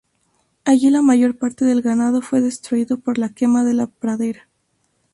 Allí la mayor parte del ganado fue destruido por la quema de la pradera.